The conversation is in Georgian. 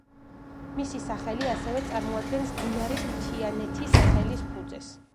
მისი სახელი ასევე წარმოადგენს დინარის მთიანეთი სახელის ფუძეს.